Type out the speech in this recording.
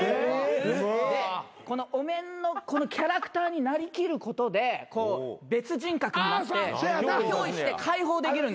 でこのお面のキャラクターになりきることで別人格になってひょういして解放できるんです。